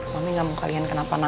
mami ga mau kalian kenapa dua